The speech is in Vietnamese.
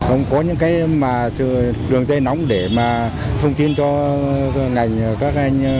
ông có những đường dây nóng để thông tin cho các anh